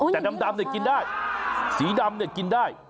แต่ดำนี่กินได้สีดำกินได้